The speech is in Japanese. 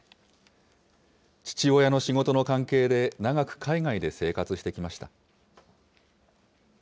父親の仕事の関係で長く海外で生活してきました。